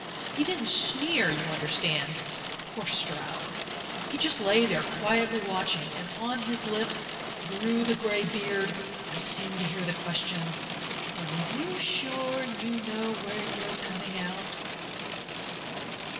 He didn't sneer, you understand, poor Stroud he just lay there quietly watching, and on his lips, through the gray beard, I seemed to hear the question: 'Are you sure you know where you're coming out?